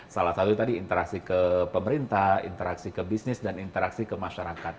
salah satu tadi interaksi ke pemerintah interaksi ke bisnis dan interaksi ke masyarakat